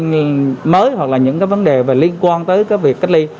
những thông tin mới hoặc là những vấn đề liên quan tới việc cách ly